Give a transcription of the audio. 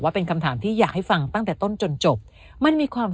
เป็นคำถามที่อยากให้ฟังตั้งแต่ต้นจนจบมันมีความ